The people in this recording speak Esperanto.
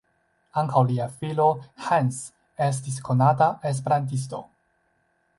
Ankaŭ lia filo Hans estis konata esperantisto.